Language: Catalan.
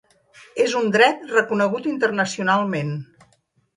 És un dret reconegut internacionalment.